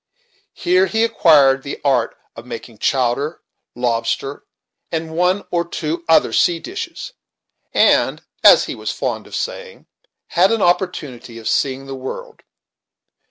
Here he acquired the art of making chowder, lobster, and one or two other sea dishes, and, as he was fond of saying, had an opportunity of seeing the world.